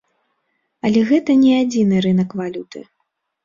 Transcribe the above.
Але гэта не адзіны рынак валюты.